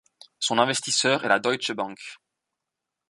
Son investisseur est la Deutsche Bank.